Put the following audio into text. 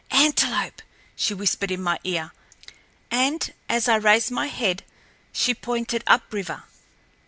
"Antelope!" she whispered in my ear, and, as I raised my head, she pointed up river.